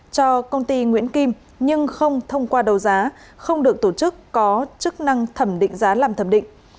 cho công ty nguyễn kim nhưng không thông qua đầu giá không được tổ chức có chức năng thẩm định giá làm thẩm định